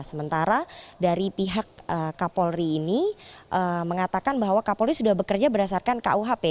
sementara dari pihak kapolri ini mengatakan bahwa kapolri sudah bekerja berdasarkan kuhp